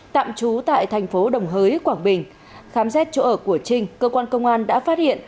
tạm trú tại thành phố đồng hới quảng bình khám xét chỗ ở của trinh cơ quan công an đã phát hiện